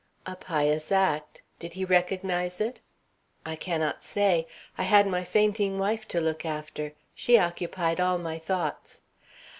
"A pious act. Did he recognize it?" "I cannot say. I had my fainting wife to look after. She occupied all my thoughts."